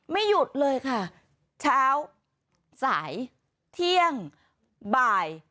หยุดเลยค่ะเช้าสายเที่ยงบ่าย